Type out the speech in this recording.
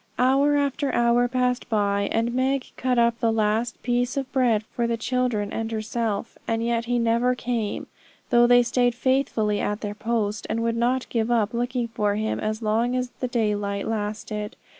Hour after hour passed by, and Meg cut up the last piece of bread for the children and herself, and yet he never came; though they stayed faithfully at their post, and would not give up looking for him as long as the daylight lasted.